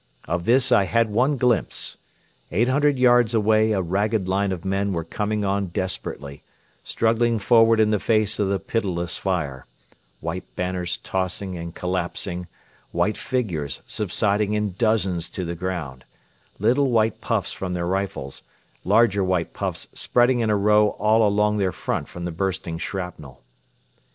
Of this I had one glimpse. Eight hundred yards away a ragged line of men were coming on desperately, struggling forward in the face of the pitiless fire white banners tossing and collapsing; white figures subsiding in dozens to the ground; little white puffs from their rifles, larger white puffs spreading in a row all along their front from the bursting shrapnel.